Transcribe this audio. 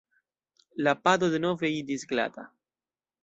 La pado denove iĝis glata.